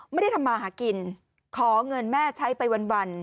ไม่ได้ทำมาหากินขอเงินแม่ใช้ไปวัน